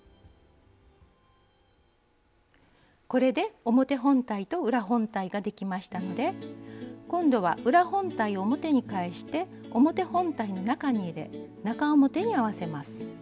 これで表本体と裏本体ができましたので今度は裏本体を表に返して表本体の中に入れ中表に合わせます。